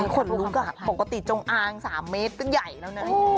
คนลุกอ่ะปกติจงอาง๓เมตรก็ใหญ่แล้วเนี่ย